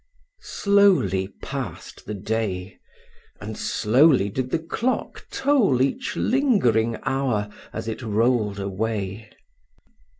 Slowly passed the day, and slowly did the clock toll each lingering hour as it rolled away.